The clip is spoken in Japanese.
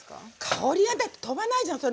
香りがだって飛ばないじゃん